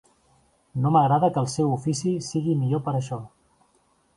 No m'agrada que el seu ofici sigui millor per això.